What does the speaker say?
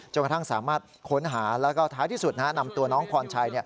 กระทั่งสามารถค้นหาแล้วก็ท้ายที่สุดนำตัวน้องพรชัย